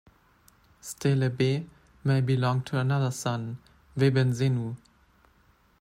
Stele B may belong to another son, Webensenu.